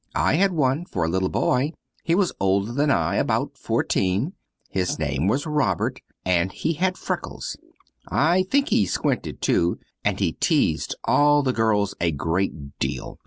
I had one for a little boy; he was older than I, about fourteen; his name was Robert, and he had freckles; I think he squinted, too, and he teased all the girls a great deal.